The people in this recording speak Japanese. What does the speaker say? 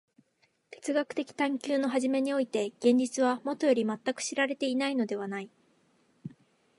哲学的探求の初めにおいて現実はもとより全く知られていないのではない。